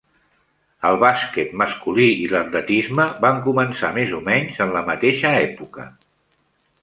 El bàsquet masculí i l'atletisme van començar més o menys en la mateixa època.